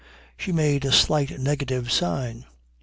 She made a slight negative sign.